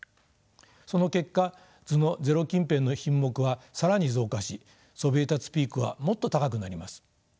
その結果図のゼロ近辺の品目は更に増加しそびえ立つピークはもっと高くなります。